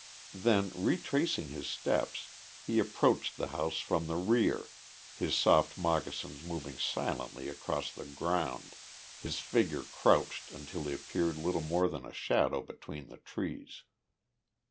Then retracing his steps, he approached the house from the rear, his soft moccasins moving silently across the ground, his figure crouched until he appeared little more than a shadow between the trees.